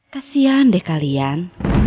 kasian deh kalian